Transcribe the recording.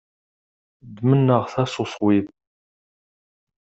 Ddmen aɣtas uṣwib.